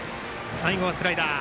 最後はスライダー。